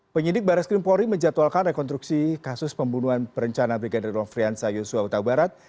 penyidik barat skrim polri menjatuhkan rekonstruksi kasus pembunuhan perencana brigadir loh frianza yusuf autawarat